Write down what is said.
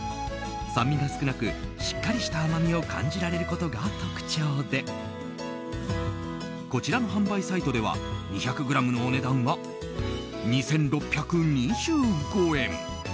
酸味が少なくしっかりした甘みを感じられることが特徴でこちらの販売サイトでは２００ｇのお値段が２６２５円。